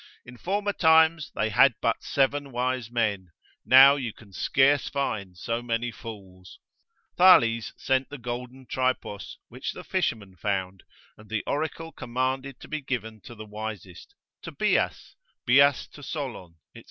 In former times they had but seven wise men, now you can scarce find so many fools. Thales sent the golden tripos, which the fishermen found, and the oracle commanded to be given to the wisest, to Bias, Bias to Solon, &c.